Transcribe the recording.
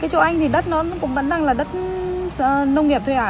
cái chỗ anh thì đất nó cũng vẫn đang là đất nông nghiệp thôi à